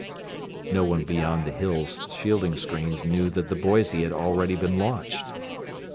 No one beyond the "Hill's" shielding screens knew that the Boise had already been launched.